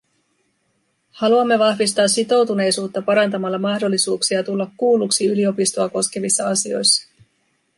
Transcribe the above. Haluamme vahvistaa sitoutuneisuutta parantamalla mahdollisuuksia tulla kuulluksi yliopistoa koskevissa asioissa.